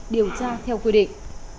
điều tra theo quy định